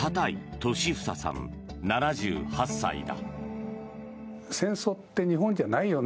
利房さん、７８歳だ。